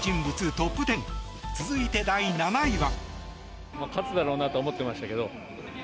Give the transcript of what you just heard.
トップ１０続いて第７位は。